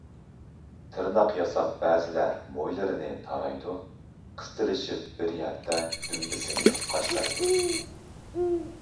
تىرناق ياساپ بەزىلەر مويلىرىنى تارايدۇ، قىستىلىشىپ بىر يەردە دۈمبىسىنى قاشلايدۇ.